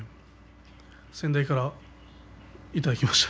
先代からいただきました。